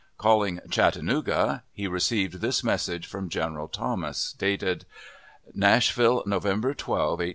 Calling "Chattanooga," he received this message from General Thomas, dated NASHVILLE, November 12, 1884 8.